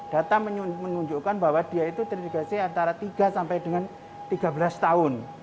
data menunjukkan bahwa dia itu terindikasi antara tiga sampai dengan tiga belas tahun